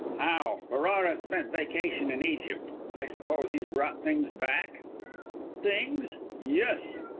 "How? Ferrara spent vacation in Egypt; I suppose he's brought things back?" "Things yes!